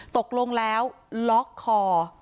ต่างฝั่งในบอสคนขีดบิ๊กไบท์